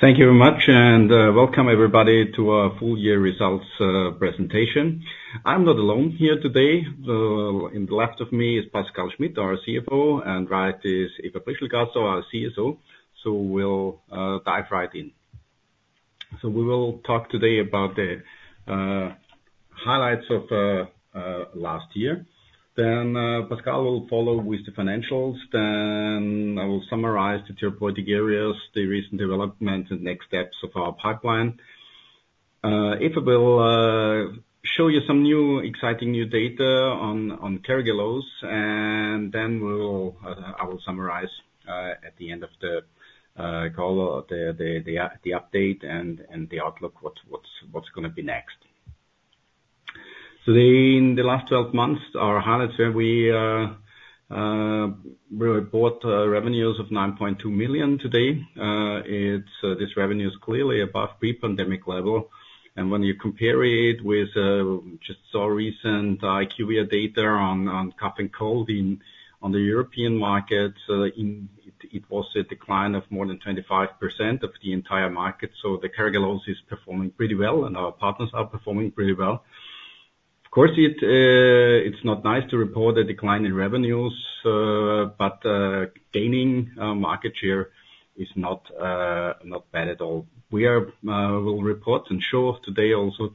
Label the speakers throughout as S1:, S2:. S1: Thank you very much, and welcome everybody to our full year results presentation. I'm not alone here today. In the left of me is Pascal Schmidt, our CFO, and right is Eva Prieschl-Grassauer, our CSO. So we'll dive right in. So we will talk today about the highlights of last year. Then Pascal will follow with the financials. Then I will summarize the therapeutic areas, the recent development and next steps of our pipeline. Eva will show you some new, exciting new data on Carragelose, and then we'll, I will summarize at the end of the call, the update and the outlook, what's gonna be next. So in the last twelve months, our highlights were we report revenues of 9.2 million today. It's this revenue is clearly above pre-pandemic level, and when you compare it with just our recent IQVIA data on cough and cold in the European markets, it was a decline of more than 25% of the entire market. So the Carragelose is performing pretty well, and our partners are performing pretty well. Of course, it, it's not nice to report a decline in revenues, but gaining market share is not not bad at all. We will report and show today also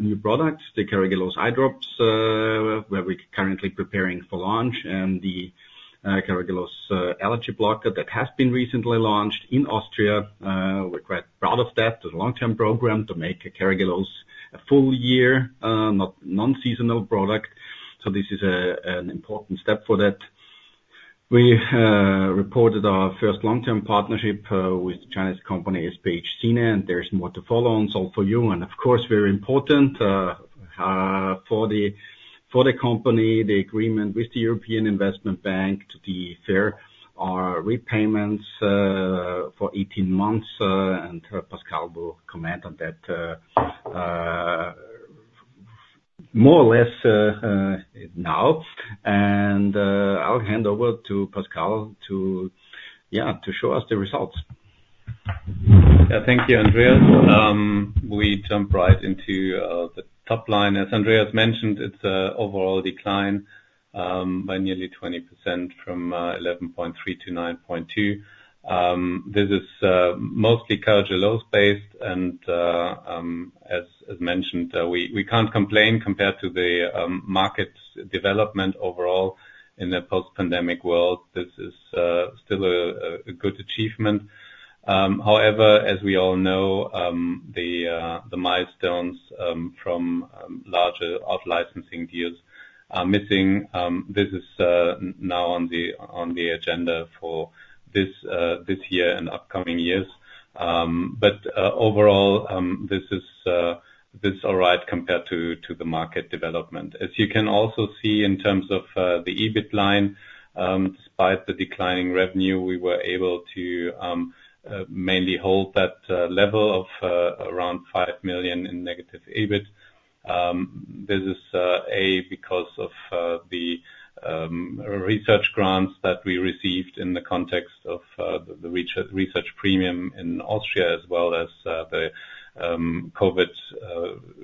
S1: new products, the Carragelose eye drops, where we're currently preparing for launch and the Carragelose allergy blocker that has been recently launched in Austria. We're quite proud of that. It's a long-term program to make Carragelose a full year, not non-seasonal product. So this is an important step for that. We reported our first long-term partnership with Chinese company SPH China, and there's more to follow on Solv4U. And of course, very important for the company, the agreement with the European Investment Bank to defer our repayments for 18 months, and Pascal will comment on that more or less now. And I'll hand over to Pascal to show us the results.
S2: Yeah, thank you, Andreas. We jump right into the top line. As Andreas mentioned, it's an overall decline by nearly 20% from 11.3 to 9.2. This is mostly Carragelose based, and as mentioned, we can't complain compared to the market development overall in the post-pandemic world. This is still a good achievement. However, as we all know, the milestones from larger out licensing deals are missing. This is now on the agenda for this year and upcoming years. But overall, this is all right compared to the market development. As you can also see in terms of the EBIT line, despite the declining revenue, we were able to mainly hold that level of around 5 million in negative EBIT. This is A, because of the research grants that we received in the context of the research premium in Austria, as well as the COVID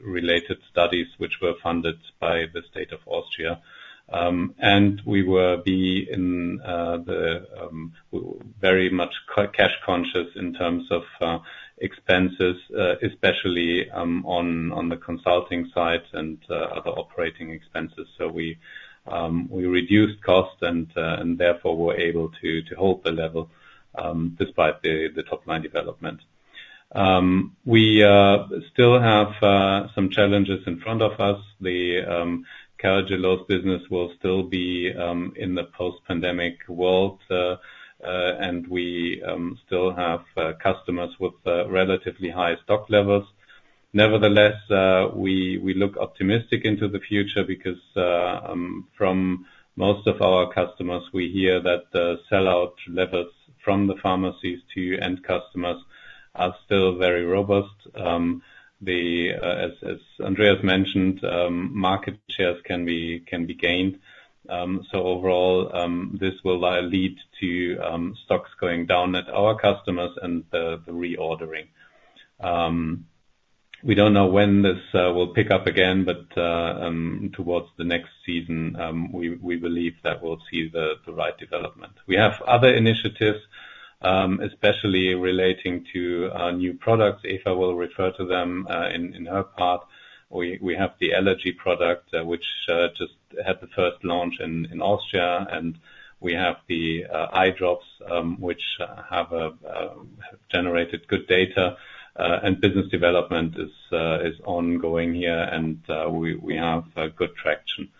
S2: related studies, which were funded by the state of Austria. And we were B, in the very much cash conscious in terms of expenses, especially on the consulting side and other operating expenses. So we reduced costs and therefore were able to hold the level despite the top line development. We still have some challenges in front of us. The Carragelose business will still be in the post-pandemic world, and we still have customers with relatively high stock levels. Nevertheless, we look optimistic into the future because from most of our customers, we hear that the sellout levels from the pharmacies to end customers are still very robust. As Andreas mentioned, market shares can be gained. So overall, this will lead to stocks going down at our customers and the reordering. We don't know when this will pick up again, but towards the next season, we believe that we'll see the right development. We have other initiatives, especially relating to our new products. Eva will refer to them in her part. We have the allergy product, which just had the first launch in Austria, and we have the eye drops, which have generated good data. Business development is ongoing here, and we have good traction.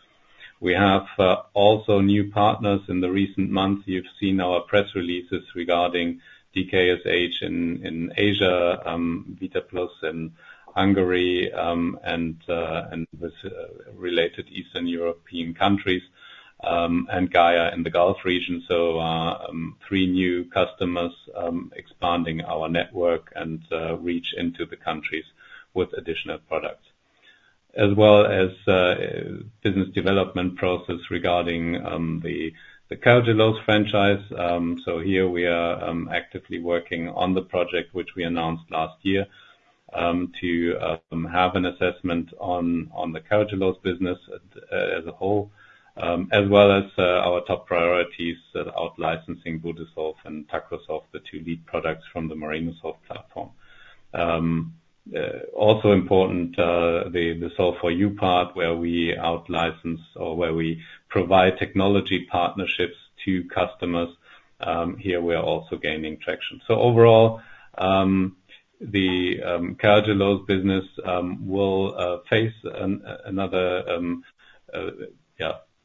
S2: We have also new partners. In the recent months, you've seen our press releases regarding DKSH in Asia, VitaPlus in Hungary, and with related Eastern European countries, and Gaia in the Gulf region. So, three new customers, expanding our network and reach into the countries with additional products, as well as business development process regarding the Carragelose franchise. So here we are, actively working on the project, which we announced last year, to have an assessment on the Carragelose business, as a whole, as well as our top priorities, out licensing Budesolv and Tacrosolv, the two lead products from the Marinosolv platform. Also important, the Solv4U part, where we out license or where we provide technology partnerships to customers, here we are also gaining traction. So overall, the Carragelose business will face another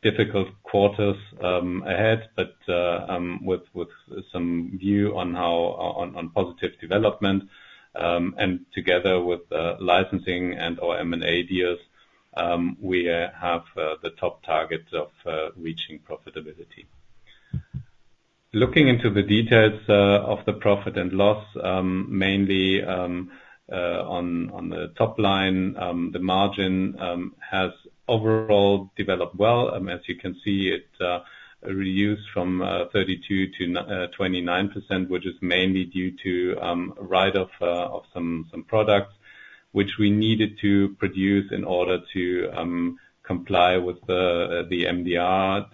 S2: difficult quarters ahead, but with some view on how on positive development, and together with licensing and our M&A deals, we have the top targets of reaching profitability. Looking into the details of the profit and loss, mainly, on the top line, the margin has overall developed well. As you can see, it reduced from 32%-29%, which is mainly due to write off of some products, which we needed to produce in order to comply with the MDR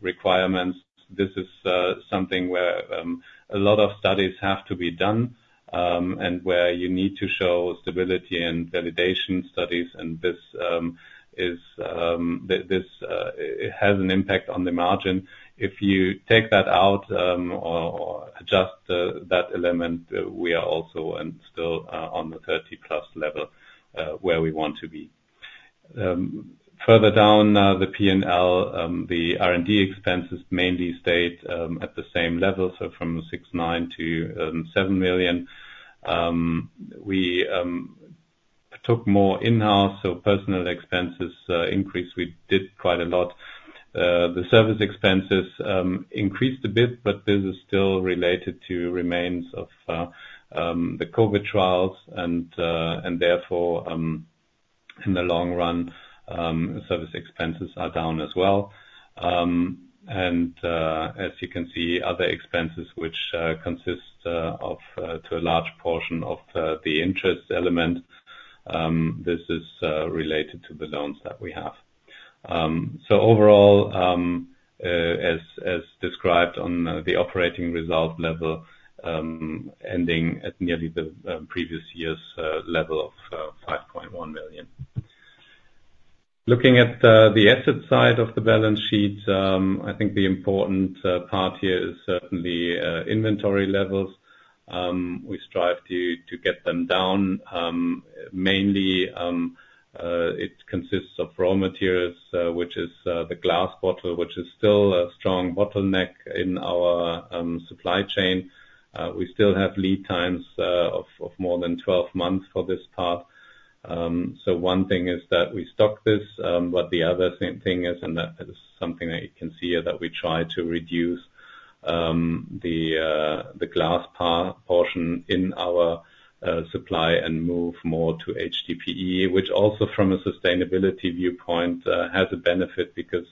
S2: requirements. This is something where a lot of studies have to be done, and where you need to show stability and validation studies, and this has an impact on the margin. If you take that out, or adjust that element, we are also and still on the 30+ level, where we want to be. Further down, the P&L, the R&D expenses mainly stayed at the same level, so from 6.9 to EUR 7 million. We took more in-house, so personal expenses increased. We did quite a lot. The service expenses increased a bit, but this is still related to remains of the COVID trials, and therefore, in the long run, service expenses are down as well. And, as you can see, other expenses which consist of to a large portion of the interest element, this is related to the loans that we have. So overall, as described on the operating result level, ending at nearly the previous year's level of 5.1 million. Looking at the asset side of the balance sheet, I think the important part here is certainly inventory levels. We strive to get them down. Mainly, it consists of raw materials, which is the glass bottle, which is still a strong bottleneck in our supply chain. We still have lead times of more than 12 months for this part. So one thing is that we stock this, but the other same thing is, and that is something that you can see, is that we try to reduce the glass portion in our supply and move more to HDPE, which also from a sustainability viewpoint has a benefit because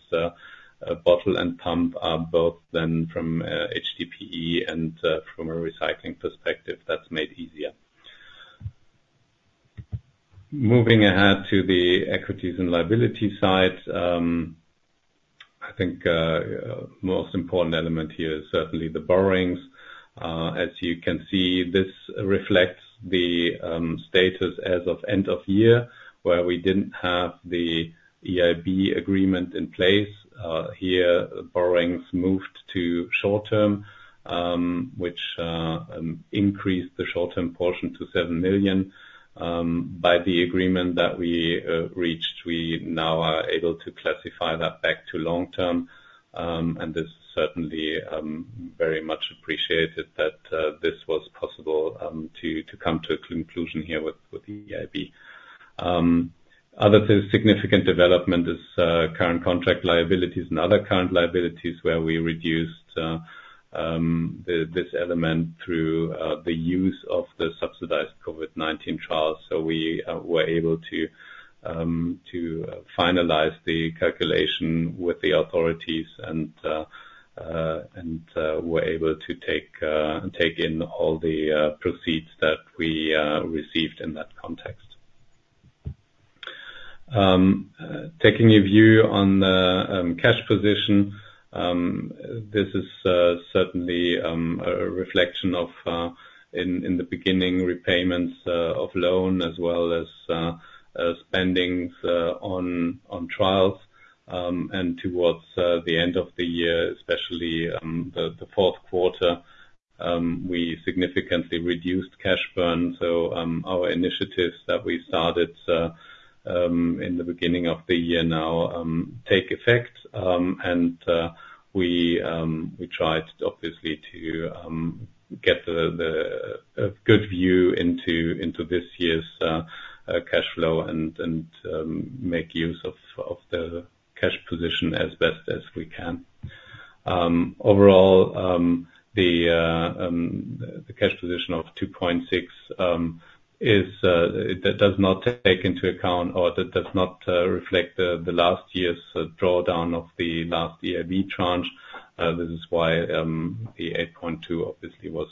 S2: bottle and pump are both then from HDPE, and from a recycling perspective, that's made easier. Moving ahead to the equities and liability side, I think most important element here is certainly the borrowings. As you can see, this reflects the status as of end of year, where we didn't have the EIB agreement in place. Here, borrowings moved to short term, which increased the short-term portion to 7 million. By the agreement that we reached, we now are able to classify that back to long term, and this certainly very much appreciated that this was possible to come to a conclusion here with EIB. Other significant development is current contract liabilities and other current liabilities, where we reduced this element through the use of the subsidized COVID-19 trials. So we were able to finalize the calculation with the authorities and were able to take in all the proceeds that we received in that context. Taking a view on the cash position, this is certainly a reflection of in the beginning, repayments of loan as well as spendings on trials. Towards the end of the year, especially the fourth quarter, we significantly reduced cash burn. So, our initiatives that we started in the beginning of the year now take effect, and we tried obviously to get a good view into this year's cash flow and make use of the cash position as best as we can. Overall, the cash position of 2.6 is that does not take into account or that does not reflect last year's drawdown of the last EIB tranche. This is why the 8.2 obviously was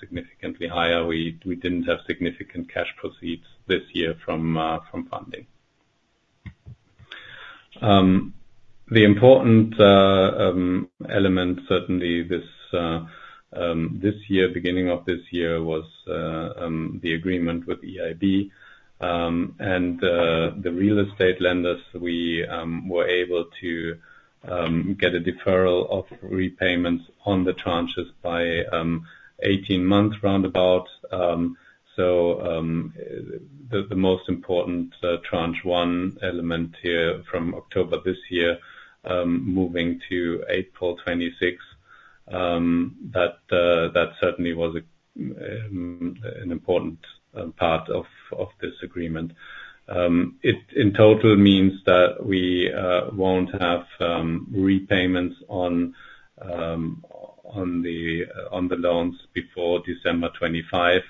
S2: significantly higher. We didn't have significant cash proceeds this year from funding. The important element, certainly this year, beginning of this year, was the agreement with EIB. And the real estate lenders, we were able to get a deferral of repayments on the tranches by 18 months, roundabout. So, the most important tranche one element here from October this year, moving to April 2026, that certainly was an important part of this agreement. It in total means that we won't have repayments on the loans before December 2025,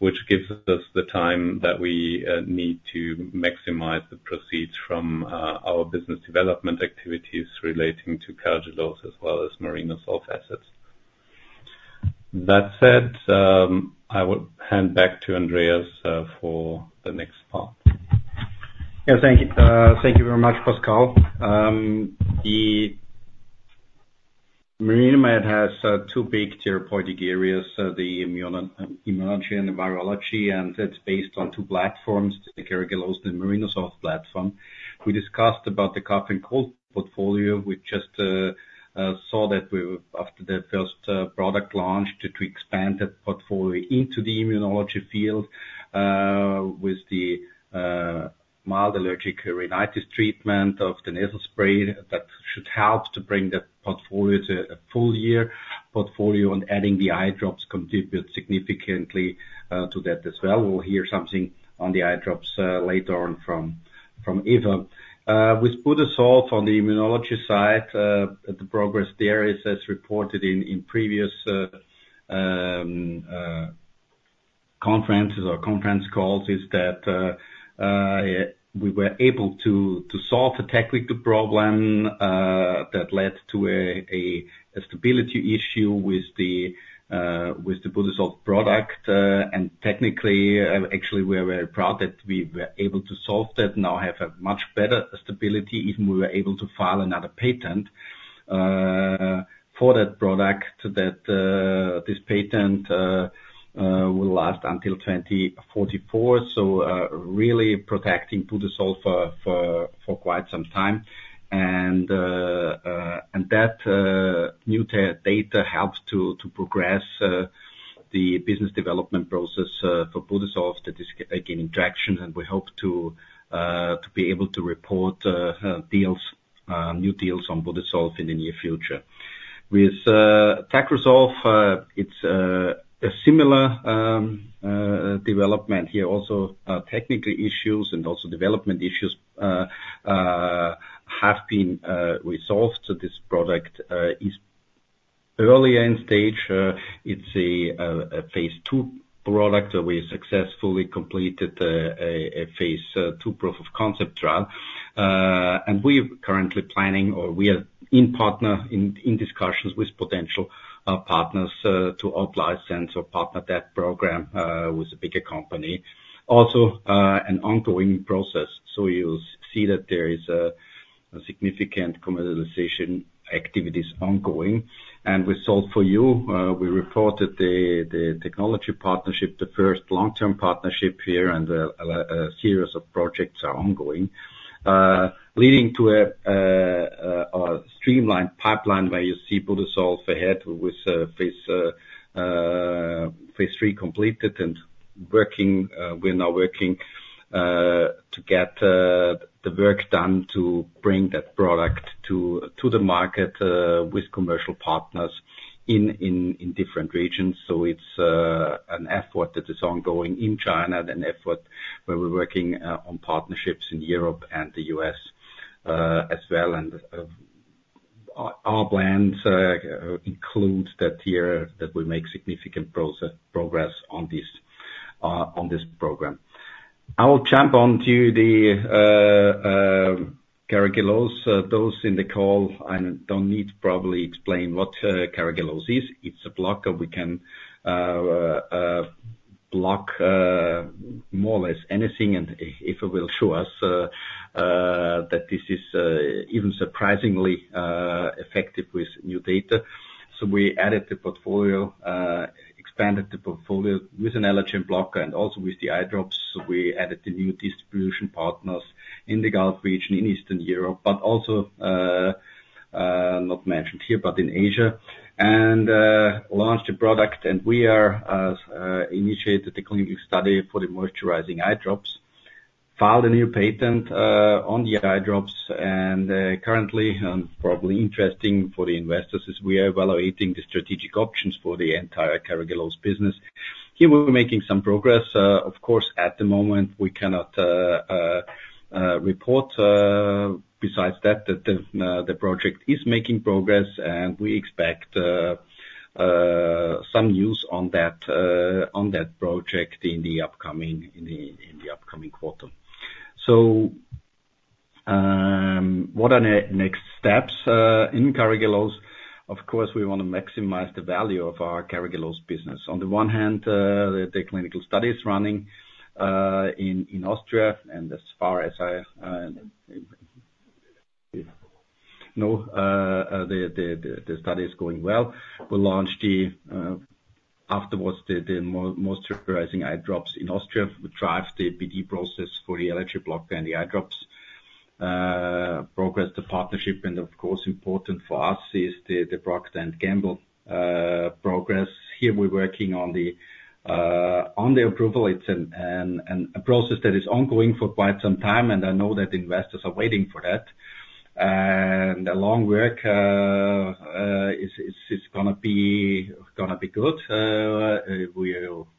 S2: which gives us the time that we need to maximize the proceeds from our business development activities relating to Carragelose as well as Marinosolv assets. That said, I will hand back to Andreas for the next part.
S1: Yeah, thank you, thank you very much, Pascal. The Marinomed has two big therapeutic areas, the immunology and the virology, and that's based on two platforms, the Carragelose and Marinosolv platform. We discussed about the cough and cold portfolio. We just saw that we, after that first product launch, to expand that portfolio into the immunology field, with the mild allergic rhinitis treatment of the nasal spray. That should help to bring that portfolio to a full year portfolio, and adding the eye drops contribute significantly to that as well. We'll hear something on the eye drops later on from Eva. With Budesolv on the immunology side, the progress there is, as reported in previous conferences or conference calls, is that we were able to solve the technical problem that led to a stability issue with the Budesolv product. And technically, actually, we are very proud that we were able to solve that, now have a much better stability. Even we were able to file another patent for that product, that this patent will last until 2044. So, really protecting Budesolv for quite some time. That new technical data helps to progress the business development process for Budesolv, that is gaining traction, and we hope to be able to report new deals on Budesolv in the near future. With Tacrosolv, it's a similar development here also, technical issues and also development issues have been resolved. So this product is early in stage, it's a phase two product that we successfully completed a phase two proof of concept trial. And we're currently planning, or we are in partnering discussions with potential partners to out license or partner that program with a bigger company. Also, an ongoing process, so you'll see that there is a significant commercialization activities ongoing. With Solv4U, we reported the technology partnership, the first long-term partnership here, and a series of projects are ongoing. Leading to a streamlined pipeline, where you see Budesolv ahead with phase three completed and working. We're now working to get the work done to bring that product to the market with commercial partners in different regions. So it's an effort that is ongoing in China, an effort where we're working on partnerships in Europe and the US, as well. And our plans includes that year that we make significant progress on this program. I will jump on to the Carragelose. Those in the call, I don't need to probably explain what Carragelose is. It's a blocker. We can block more or less anything, and if it will show us that this is even surprisingly effective with new data. So we added the portfolio expanded the portfolio with an allergen blocker and also with the eye drops. We added the new distribution partners in the Gulf region, in Eastern Europe, but also not mentioned here, but in Asia. And launched a product, and we are initiated the clinical study for the moisturizing eye drops, filed a new patent on the eye drops. And currently, and probably interesting for the investors, is we are evaluating the strategic options for the entire Carragelose business... Here we're making some progress. Of course, at the moment, we cannot report, besides that, that the project is making progress, and we expect some news on that project in the upcoming quarter. So, what are the next steps in Carragelose? Of course, we want to maximize the value of our Carragelose business. On the one hand, the clinical studies running in Austria, and as far as I know, the study is going well. We'll launch afterwards the moisturizing eye drops in Austria, which drives the BD process for the allergy blocker and the eye drops. Progress the partnership, and of course, important for us is the Procter & Gamble progress. Here we're working on the approval. It's a process that is ongoing for quite some time, and I know that investors are waiting for that. And the long work is gonna be good.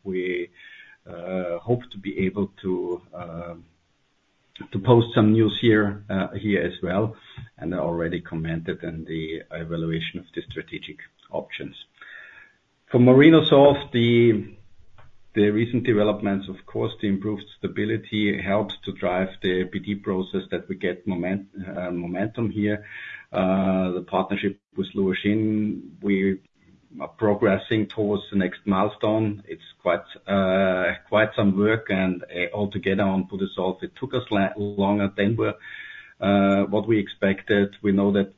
S1: We hope to be able to post some news here as well, and I already commented on the evaluation of the strategic options. For Marinosolv, the recent developments, of course, the improved stability, helped to drive the BD process that we get momentum here. The partnership with Luoxin, we are progressing towards the next milestone. It's quite some work, and altogether on to the result, it took us longer than we expected. We know that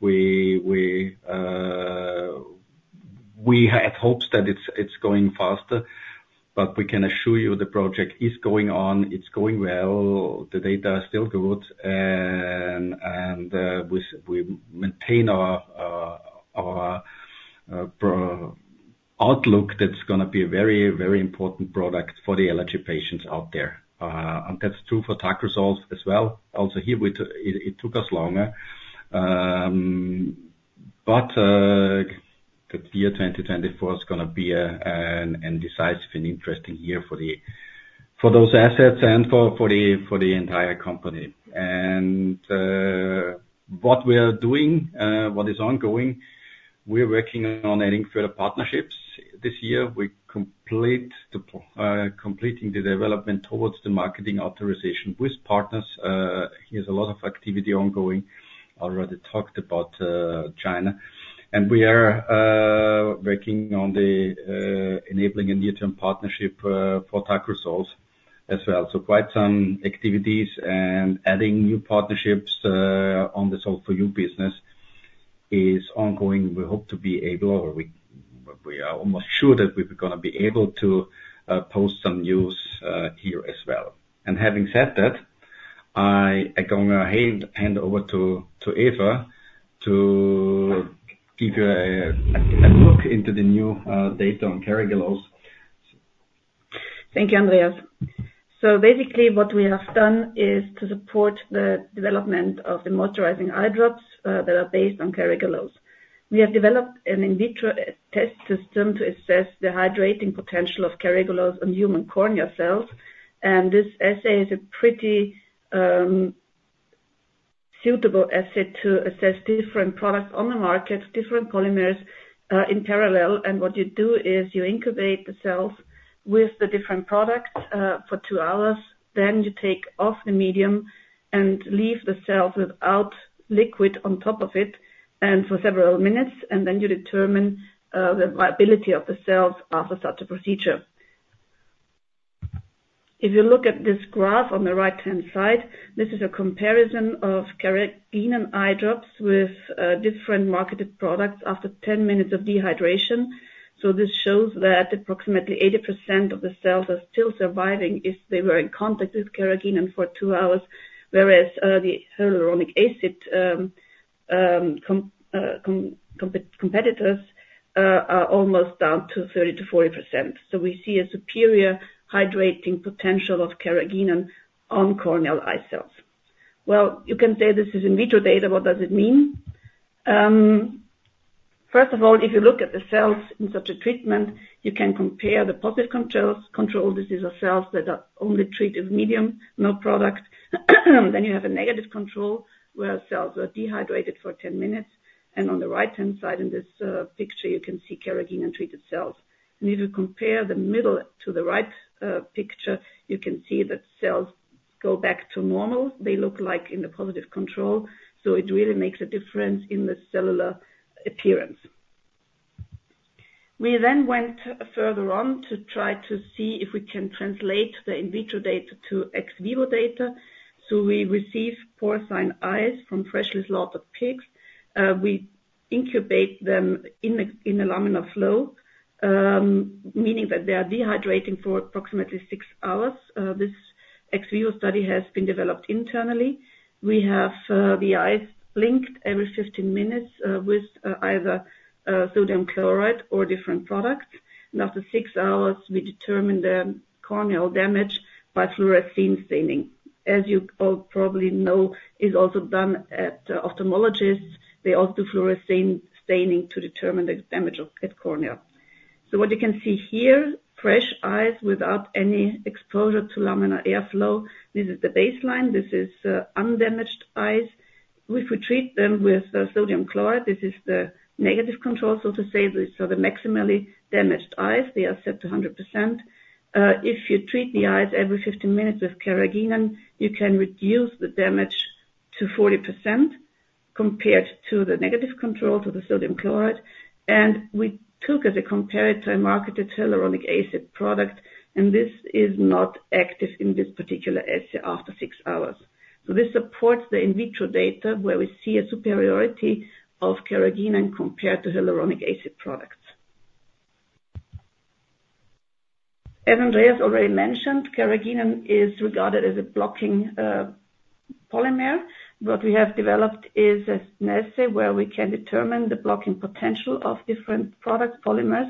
S1: we had hopes that it's going faster, but we can assure you the project is going on. It's going well. The data are still good, and we maintain our positive outlook. That's gonna be a very, very important product for the allergy patients out there. And that's true for Tacrosolv as well. Also here, it took us longer, but the year 2024 is gonna be a decisive and interesting year for those assets and for the entire company. And what we are doing, what is ongoing, we're working on adding further partnerships. This year, we're completing the development towards the marketing authorization with partners. Here's a lot of activity ongoing. Already talked about China. We are working on enabling a near-term partnership for Tacrosolv as well. So quite some activities and adding new partnerships on the Solv4U business is ongoing. We hope to be able, or we are almost sure that we're gonna be able to post some news here as well. And having said that, I am gonna hand over to Eva to give you a look into the new data on Carragelose.
S3: Thank you, Andreas. So basically, what we have done is to support the development of the moisturizing eye drops that are based on Carragelose. We have developed an in vitro test system to assess the hydrating potential of Carragelose on human cornea cells. And this assay is a pretty suitable assay to assess different products on the market, different polymers in parallel. And what you do is you incubate the cells with the different products for 2 hours, then you take off the medium and leave the cells without liquid on top of it, and for several minutes, and then you determine the viability of the cells after such a procedure. If you look at this graph on the right-hand side, this is a comparison of Carragelose eye drops with different marketed products after 10 minutes of dehydration. So this shows that approximately 80% of the cells are still surviving if they were in contact with carrageenan for 2 hours, whereas, the hyaluronic acid competitors are almost down to 30%-40%. So we see a superior hydrating potential of carrageenan on corneal eye cells. Well, you can say this is in vitro data. What does it mean? First of all, if you look at the cells in such a treatment, you can compare the positive controls, control. These are cells that are only treated medium, no product. Then you have a negative control, where cells are dehydrated for 10 minutes, and on the right-hand side in this picture, you can see carrageenan-treated cells. And if you compare the middle to the right picture, you can see that cells go back to normal. They look like in the positive control, so it really makes a difference in the cellular appearance. We then went further on to try to see if we can translate the in vitro data to ex vivo data. So we receive porcine eyes from freshly slaughtered pigs. We incubate them in a laminar flow, meaning that they are dehydrating for approximately six hours. This ex vivo study has been developed internally. We have the eyes blinked every 15 minutes with either sodium chloride or different products. And after six hours, we determine the corneal damage by fluorescein staining. As you all probably know, it's also done at ophthalmologists, fluorescein staining to determine the damage of the cornea. So what you can see here, fresh eyes without any exposure to laminar airflow. This is the baseline, this is undamaged eyes. If we treat them with sodium chloride, this is the negative control, so to say. These are the maximally damaged eyes, they are set to 100%. If you treat the eyes every 15 minutes with carrageenan, you can reduce the damage to 40% compared to the negative control, to the sodium chloride. And we took as a comparator, a marketed hyaluronic acid product, and this is not active in this particular assay after six hours. So this supports the in vitro data, where we see a superiority of carrageenan compared to hyaluronic acid products. As Andreas already mentioned, carrageenan is regarded as a blocking polymer. What we have developed is an assay, where we can determine the blocking potential of different product polymers.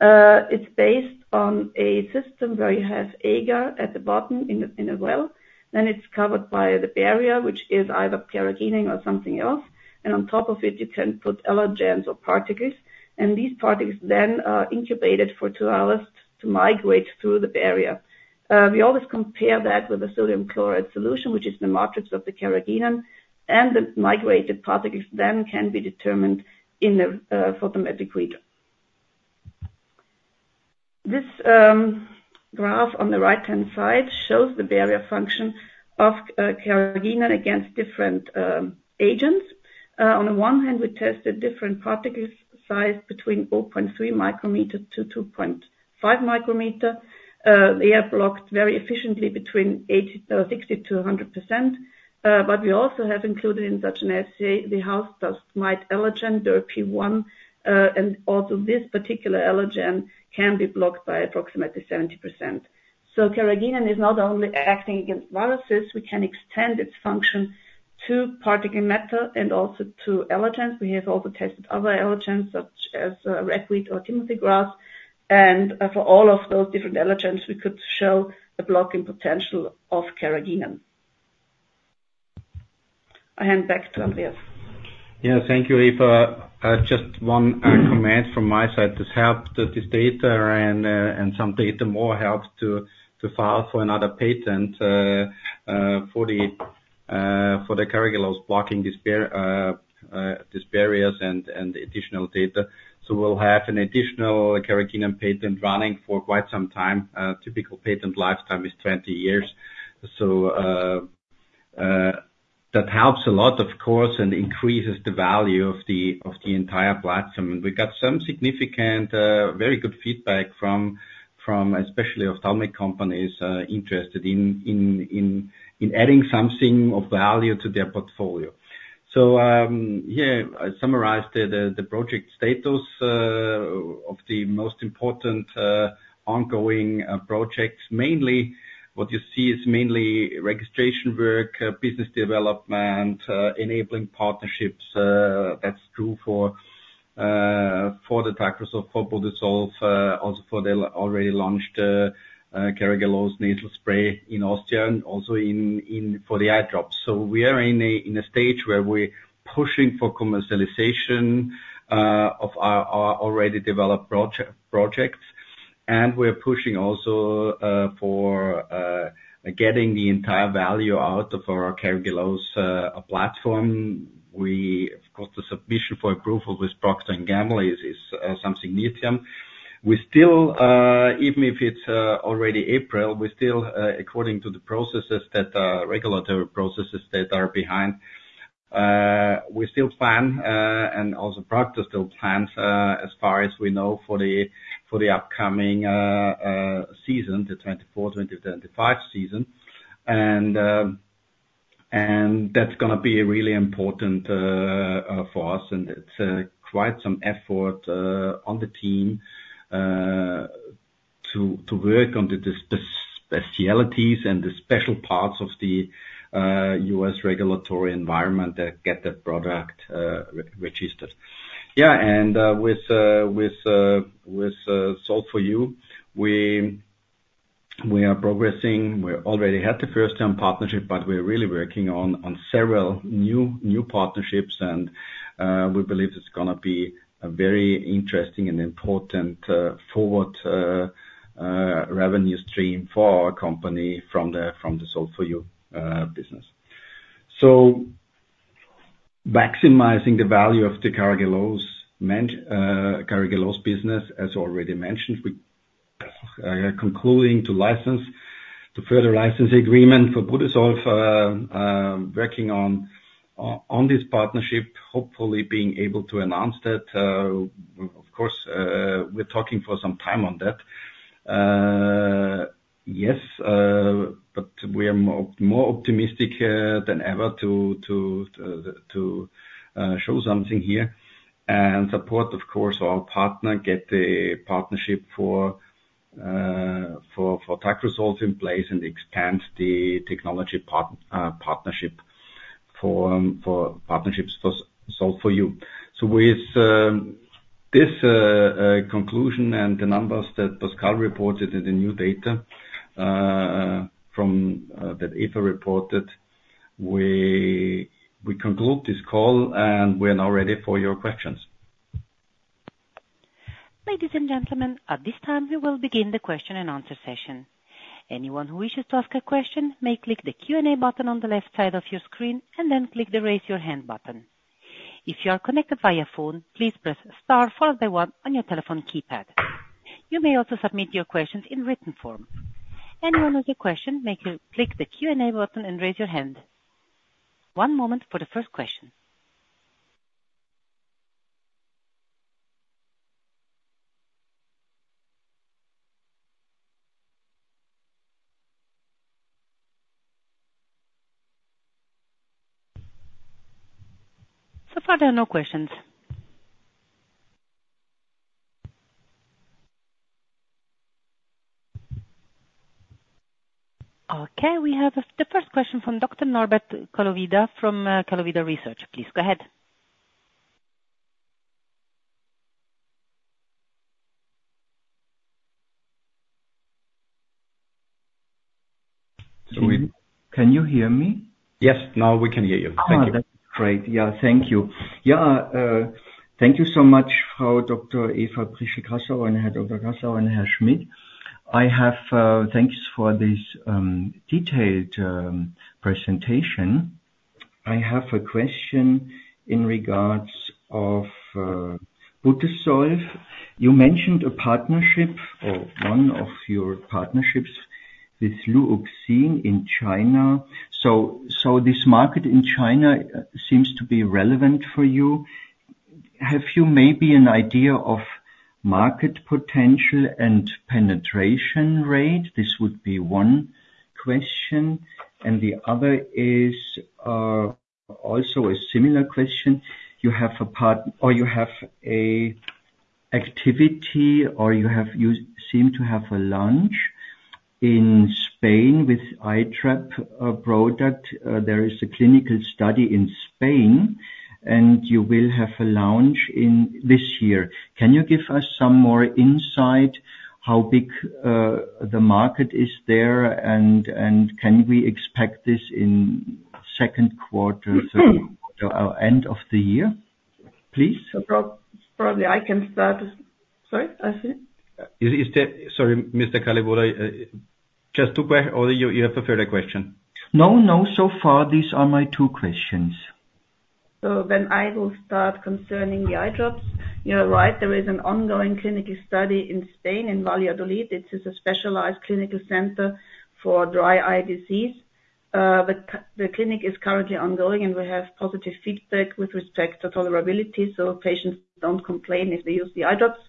S3: It's based on a system where you have agar at the bottom in a well, then it's covered by the barrier, which is either carrageenan or something else, and on top of it, you can put allergens or particles. And these particles then are incubated for 2 hours to migrate through the barrier. We always compare that with a sodium chloride solution, which is the matrix of the carrageenan, and the migrated particles then can be determined in a photometric reader. This graph on the right-hand side shows the barrier function of carrageenan against different agents. On the one hand, we tested different particles sized between 0.3-2.5 micrometers. They are blocked very efficiently between 60%-100%. But we also have included in such an assay, the house dust mite allergen, Der p 1. And also this particular allergen can be blocked by approximately 70%. So carrageenan is not only acting against viruses, we can extend its function to particulate matter and also to allergens. We have also tested other allergens, such as, ragweed or Timothy grass, and for all of those different allergens, we could show the blocking potential of carrageenan. I hand back to Andreas.
S1: Yeah, thank you, Eva. Just one comment from my side. This helped, this data and some data more helped to file for another patent for the Carragelose blocking these barriers and additional data. So we'll have an additional carrageenan patent running for quite some time. Typical patent lifetime is 20 years. So that helps a lot, of course, and increases the value of the entire platform. And we got some significant very good feedback from especially ophthalmic companies interested in adding something of value to their portfolio. So here I summarized the project status of the most important ongoing projects. Mainly, what you see is mainly registration work, business development, enabling partnerships. That's true for the Tacrosolv for Budesolv, also for the already launched Carragelose nasal spray in Austria and also for the eye drops. So we are in a stage where we're pushing for commercialization of our already developed projects, and we're pushing also for getting the entire value out of our Carragelose platform. Of course, the submission for approval with Procter & Gamble is something medium. We still, even if it's already April, we still according to the processes that regulatory processes that are behind, we still plan, and also Procter still plans, as far as we know, for the upcoming season, the 2024-2025 season. That's gonna be really important for us, and it's quite some effort on the team to work on the specialties and the special parts of the US regulatory environment that get that product re-registered. Yeah, and with Solv4U, we are progressing. We already had the first-term partnership, but we're really working on several new partnerships, and we believe it's gonna be a very interesting and important forward revenue stream for our company from the Solv4U business. So maximizing the value of the Carragelose business, as already mentioned, we concluding to license the further license agreement for Budesolv, working on this partnership, hopefully being able to announce that. Of course, we're talking for some time on that. Yes, but we are more optimistic than ever to show something here. And support, of course, our partner, get the partnership for Tacrosolv in place and expand the technology partnership for partnerships for Solv4U. So with this conclusion and the numbers that Pascal reported in the new data from that Eva reported, we conclude this call, and we're now ready for your questions.
S4: Ladies and gentlemen, at this time, we will begin the question and answer session. Anyone who wishes to ask a question may click the Q&A button on the left side of your screen, and then click the Raise Your Hand button. If you are connected via phone, please press star followed by one on your telephone keypad. You may also submit your questions in written form. Anyone with a question, click the Q&A button and raise your hand. One moment for the first question. So far, there are no questions. Okay, we have the first question from Dr. Norbert Kalliwoda from Kalliwoda Research. Please, go ahead.
S5: So can you hear me?
S1: Yes, now we can hear you. Thank you.
S5: Ah, that's great. Yeah, thank you. Yeah, thank you so much, Frau Dr. Eva Prieschl-Grassauer and Herr Dr. Grassauer and Herr Schmidt. I have, thanks for this detailed presentation. I have a question in regards of Budesolv. You mentioned a partnership or one of your partnerships with Luoxin in China. So this market in China seems to be relevant for you. Have you maybe an idea of market potential and penetration rate? This would be one question, and the other is also a similar question. You have a part or you have a activity, or you have, you seem to have a launch in Spain with iTrap product. There is a clinical study in Spain, and you will have a launch in this year. Can you give us some more insight how big the market is there, and can we expect this in second quarter, third quarter, or end of the year, please?
S3: Probably, I can start. Sorry, I see.
S1: Is there... Sorry, Mr. Kalliwoda, just two quest- or you have a further question?
S5: No, no, so far, these are my two questions.
S3: Then I will start concerning the eye drops. You're right, there is an ongoing clinical study in Spain, in Valladolid. It is a specialized clinical center for dry eye disease. But the clinic is currently ongoing, and we have positive feedback with respect to tolerability, so patients don't complain if they use the eye drops.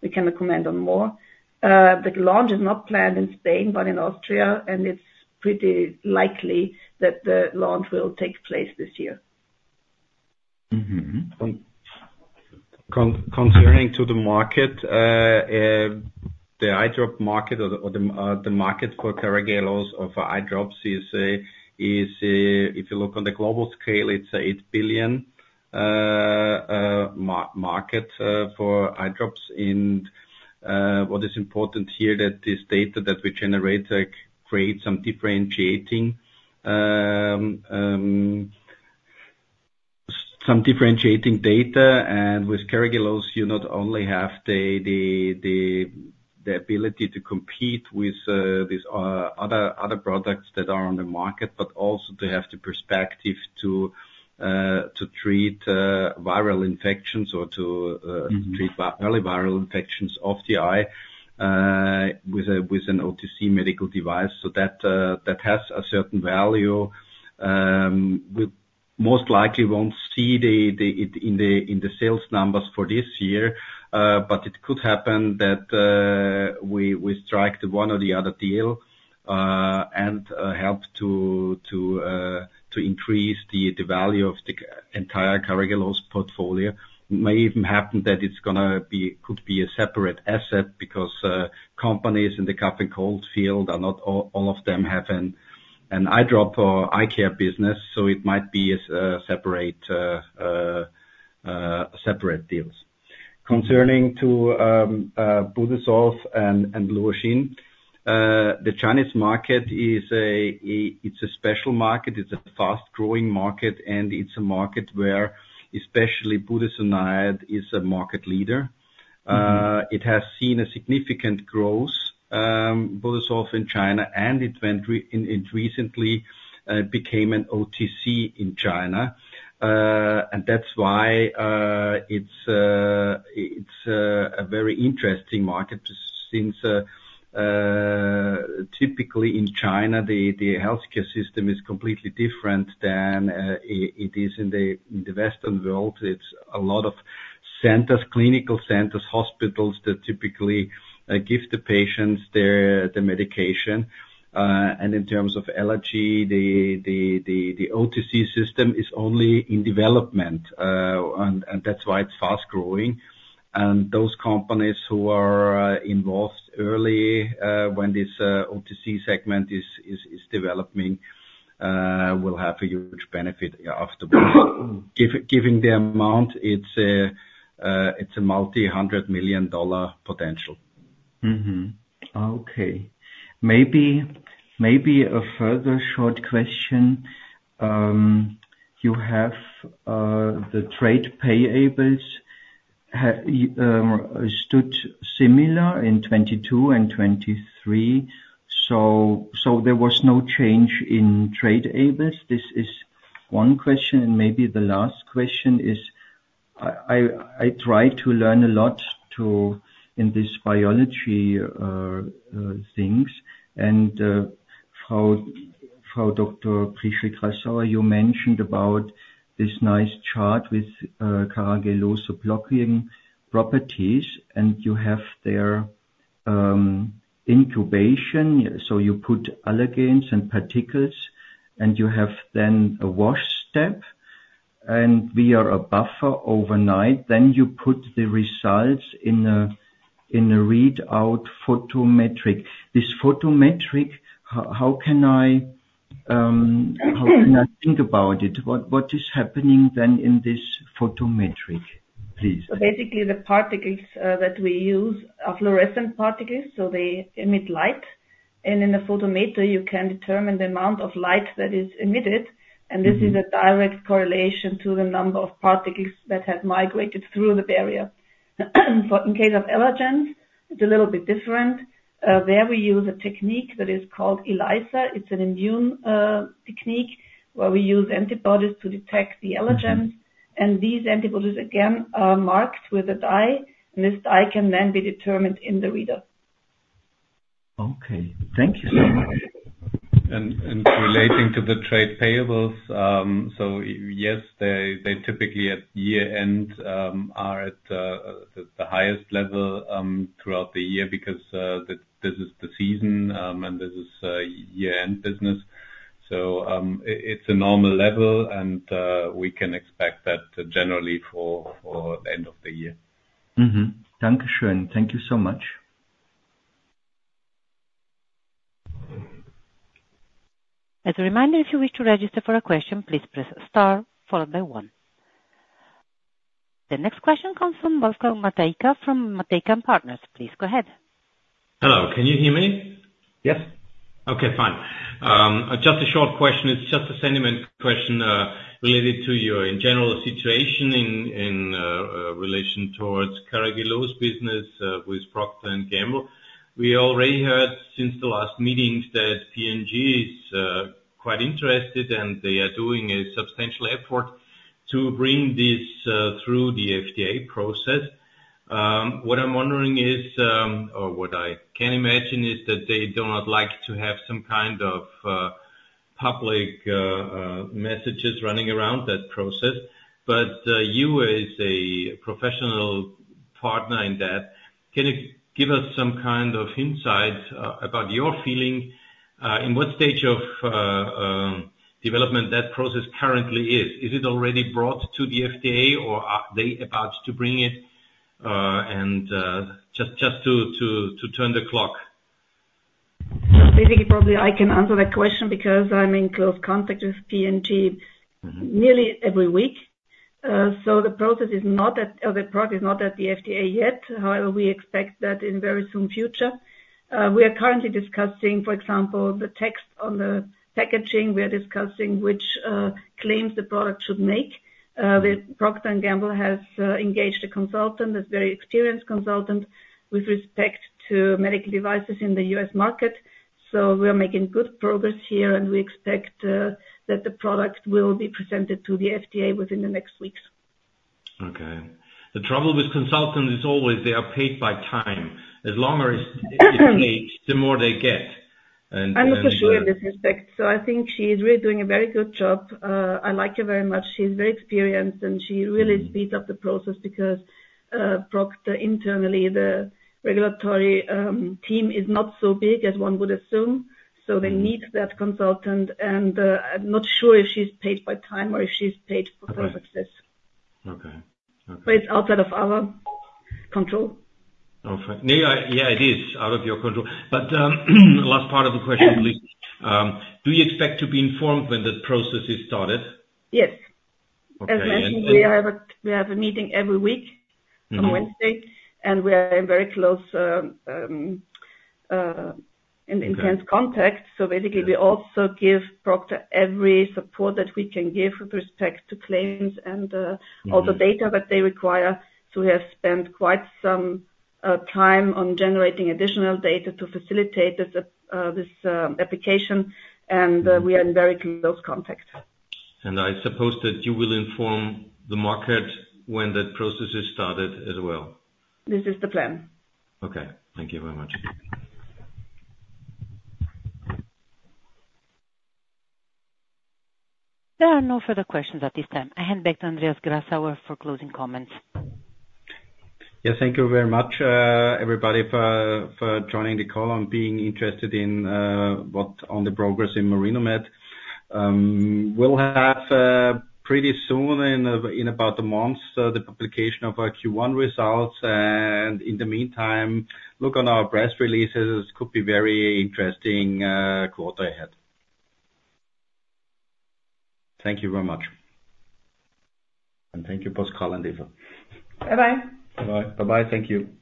S3: We can recommend them more. The launch is not planned in Spain, but in Austria, and it's pretty likely that the launch will take place this year.
S5: Mm-hmm.
S1: Concerning the market, the eye drop market or the market for Carragelose or for eye drops is a, if you look on the global scale, it's $8 billion market for eye drops. And what is important here that this data that we generate, like, create some differentiating, some differentiating data, and with Carragelose, you not only have the ability to compete with these other products that are on the market, but also to have the perspective to treat viral infections or to
S5: Mm-hmm...
S1: treat viral, early viral infections of the eye, with an OTC medical device. So that has a certain value. We most likely won't see it in the sales numbers for this year, but it could happen that we strike the one or the other deal, and help to increase the value of the entire Carragelose portfolio. May even happen that it's gonna be a separate asset, because companies in the cough and cold field are not all of them have an eye drop or eye care business, so it might be a separate deal. Concerning Budesolv and Luoxin, the Chinese market is a fast-growing market, and it's a market where especially Budesonide is a market leader.
S5: Mm-hmm.
S1: It has seen significant growth, Budesolv in China, and it recently became an OTC in China. And that's why it's a very interesting market since typically in China the OTC system is only in development, and that's why it's fast growing. And those companies who are involved early when this OTC segment is developing will have a huge benefit afterwards. Given the amount, it's a multi-hundred-million-dollar potential.
S5: Mm-hmm. Okay. Maybe a further short question. You have the trade payables stood similar in 2022 and 2023, so there was no change in trade payables? This is one question, and maybe the last question is, I tried to learn a lot in this biology things, and Frau Dr. Brigitte Grassauer, you mentioned about this nice chart with Carragelose blocking properties, and you have there incubation. So you put allergens and particles, and you have then a wash step, and via a buffer overnight, then you put the results in a readout photometric. This photometric, how can I think about it? What is happening then in this photometric, please?
S3: Basically, the particles that we use are fluorescent particles, so they emit light. In a photometer, you can determine the amount of light that is emitted-
S5: Mm-hmm.
S3: This is a direct correlation to the number of particles that have migrated through the barrier. In case of allergens, it's a little bit different. There we use a technique that is called ELISA. It's an immune technique, where we use antibodies to detect the allergens.
S5: Mm-hmm.
S3: These antibodies, again, are marked with a dye, and this dye can then be determined in the reader.
S5: Okay. Thank you so much.
S1: Relating to the trade payables, so yes, they typically at year-end are at the highest level throughout the year because this is the season and this is year-end business. So it's a normal level, and we can expect that generally for the end of the year.
S5: Mm-hmm. Thank you, Andreas. Thank you so much.
S4: As a reminder, if you wish to register for a question, please press star followed by one. The next question comes from Bosco Ojeda from Hauck Aufhäuser Lampe. Please go ahead.
S6: Hello, can you hear me?
S1: Yes.
S6: Okay, fine. Just a short question. It's just a sentiment question related to your general situation in relation towards Carragelose business with Procter & Gamble. We already heard since the last meetings that P&G is quite interested, and they are doing a substantial effort to bring this through the FDA process. What I'm wondering is, or what I can imagine, is that they do not like to have some kind of public messages running around that process. But you as a professional partner in that, can you give us some kind of insight about your feeling in what stage of development that process currently is? Is it already brought to the FDA, or are they about to bring it, and just to turn the clock?
S3: So basically, probably I can answer that question because I'm in close contact with P&G-
S6: Mm-hmm...
S3: nearly every week. So the process is not at the FDA yet. However, we expect that in very soon future. We are currently discussing, for example, the text on the packaging. We are discussing which claims the product should make. The Procter & Gamble has engaged a consultant, a very experienced consultant, with respect to medical devices in the U.S. market. So we are making good progress here, and we expect that the product will be presented to the FDA within the next weeks.
S6: Okay. The trouble with consultants is always they are paid by time. As long as it takes, the more they get.
S3: I'm also here in this respect, so I think she's really doing a very good job. I like her very much. She's very experienced, and she really speeds up the process because Procter internally, the regulatory team is not so big as one would assume.
S6: Mm-hmm.
S3: So they need that consultant, and I'm not sure if she's paid by time or if she's paid for her success.
S6: Okay. Okay.
S3: But it's outside of our control.
S6: Okay. Yeah, yeah, it is out of your control. But, last part of the question, please. Do you expect to be informed when the process is started?
S3: Yes.
S6: Okay, and
S3: As mentioned, we have a meeting every week-
S6: Mm-hmm...
S3: on Wednesday, and we are in very close
S6: Okay...
S3: in intense contact.
S6: Yes.
S3: So basically, we also give Procter every support that we can give with respect to claims and.
S6: Mm-hmm...
S3: all the data that they require. So we have spent quite some time on generating additional data to facilitate this, this application-
S6: Mm-hmm...
S3: and, we are in very close contact.
S6: I suppose that you will inform the market when that process is started as well?
S3: This is the plan.
S6: Okay, thank you very much.
S4: There are no further questions at this time. I hand back to Andreas Grassauer for closing comments.
S1: Yeah, thank you very much, everybody, for joining the call and being interested in what on the progress in Marinomed. We'll have pretty soon, in about a month, the publication of our Q1 results, and in the meantime, look on our press releases. This could be very interesting quarter ahead. Thank you very much, and thank you, Bosco and Eva.
S3: Bye-bye.
S1: Bye-bye. Bye-bye, thank you.